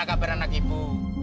apa kabar anak ibu